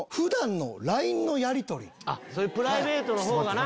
そういうプライベートの方がな。